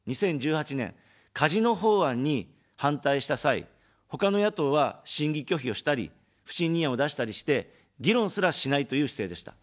２０１８年、カジノ法案に反対した際、ほかの野党は審議拒否をしたり、不信任案を出したりして、議論すらしないという姿勢でした。